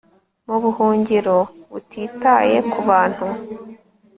Mu buhungiro butitaye kubantu